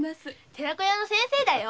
寺子屋の先生だよ。